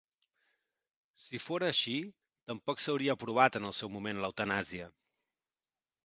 Si fora així, tampoc s'hauria aprovat en el seu moment l'eutanàsia.